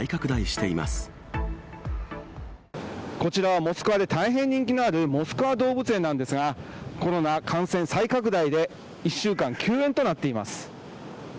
こちら、モスクワで大変人気のあるモスクワ動物園なんですが、コロナ感染再拡大で、１週間休園となっています。